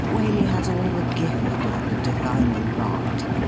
Waley has all the gift of the divining rod.